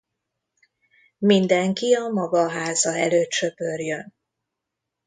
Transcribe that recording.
Mindenki a maga háza előtt söpörjön.